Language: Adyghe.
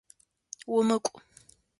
Умыкӏу!